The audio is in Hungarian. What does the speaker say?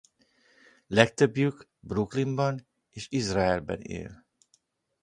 Legtöbbjük Brooklynban és Izraelben él.